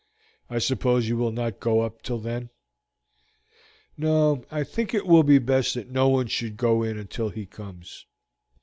I suppose you will not go up till then?" "No, I think it will be best that no one should go in until he comes.